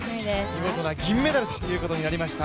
見事な銀メダルということになりました。